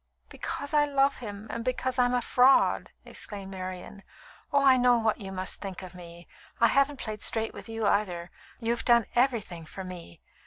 "Because I love him, and because I'm a fraud!" exclaimed Marian. "Oh! I know what you must think of me. I haven't played straight with you, either. You've done everything for me.